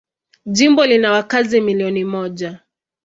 Jimbo lina wakazi milioni moja.